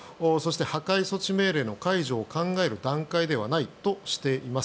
破壊措置命令の解除を考える段階ではないとしています。